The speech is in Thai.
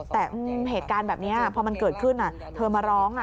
แต่เหตุการณ์แบบนี้พอมันเกิดขึ้นเธอมาร้อง